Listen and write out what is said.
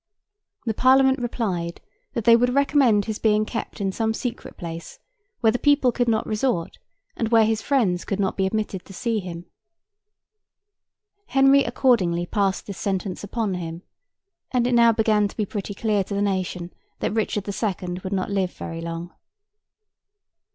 The Parliament replied that they would recommend his being kept in some secret place where the people could not resort, and where his friends could not be admitted to see him. Henry accordingly passed this sentence upon him, and it now began to be pretty clear to the nation that Richard the Second would not live very long.